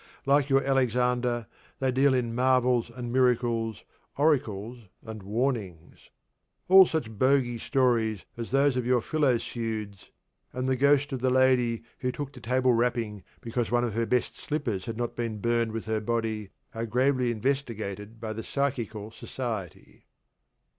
Like your Alexander, they deal in marvels and miracles, oracles and warnings. All such bogy stories as those of your 'Philopseudes,' and the ghost of the lady who took to table rapping because one of her best slippers had not been burned with her body, are gravely investigated by the Psychical Society.